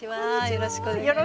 よろしくお願いします。